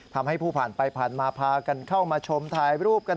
ทำให้ผู้ผ่านไปผ่านมาพากันเข้ามาชมถ่ายรูปกัน